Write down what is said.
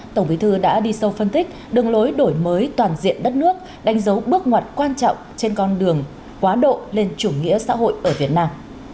tổng bí thư đã đi sâu phân tích đường lối đổi mới toàn diện đất nước đánh dấu bước ngoặt quan trọng trên con đường quá độ lên chủ nghĩa xã hội ở việt nam